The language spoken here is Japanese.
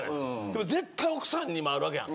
でも絶対奥さんにもある訳やん。